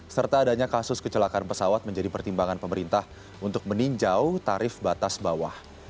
serta adanya kasus kecelakaan pesawat menjadi pertimbangan pemerintah untuk meninjau tarif batas bawah